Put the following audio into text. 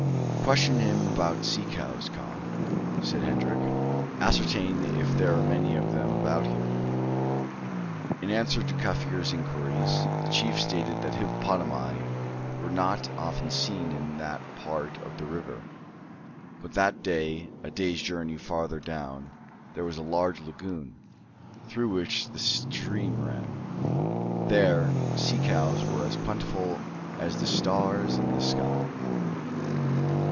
"Question him about sea cows, Cong," said Hendrik. "Ascertain if there are many of them about here." In answer to the Kaffir's inquiries, the chief stated that hippopotami were not often seen in that part of the river; but that, a day's journey farther down, there was a large lagoon, through which the stream ran; there, sea cows were as plentiful as the stars in the sky.